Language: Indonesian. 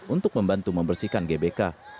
untuk membantu membersihkan gbk